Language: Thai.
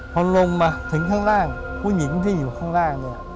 พอลงมาถึงข้างล่างผู้หญิงที่อยู่ข้างล่างเนี่ย